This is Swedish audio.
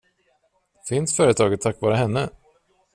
Finns företaget tack vare henne?